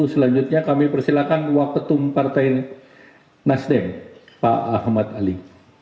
selanjutnya kami persilahkan wapetum partai nasdem pak ahmad ali